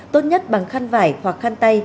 tốt nhất bằng khăn vải hoặc khăn tay